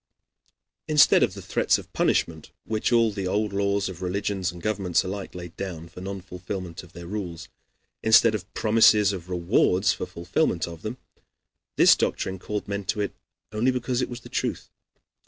Instead of the threats of punishment which all the old laws of religions and governments alike laid down for non fulfillment of their rules, instead of promises of rewards for fulfillment of them, this doctrine called men to it only because it was the truth.